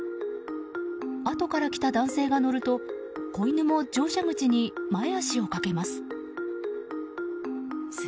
あとから来た男性が乗ると子犬も乗車口に前脚をかけます。